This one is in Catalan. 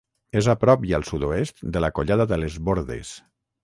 És a prop i al sud-oest de la Collada de les Bordes.